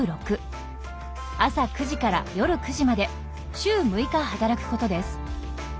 朝９時から夜９時まで週６日働くことです。